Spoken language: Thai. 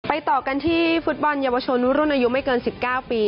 ต่อกันที่ฟุตบอลเยาวชนรุ่นอายุไม่เกิน๑๙ปี